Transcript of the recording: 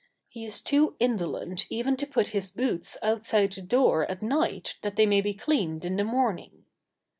He is too indolent even to put his boots outside the door at night that they may be cleaned in the morning.